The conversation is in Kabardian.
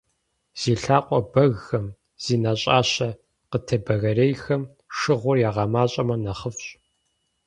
Зи лъакъуэ бэгхэм, зи нэщӀащэ къытебэгэрейхэм шыгъур ягъэмащӀэмэ нэхъыфӀщ.